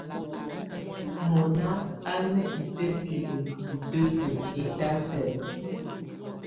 Mɔ̀ná à ná itǝ́bilǝ́ lutǝ́kǝ́ ɛtafɛla.